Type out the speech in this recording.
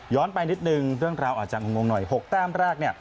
ย้อนไปนิดหนึ่งเรื่องราวอาจจะงงหน่อย๖แต้มแรก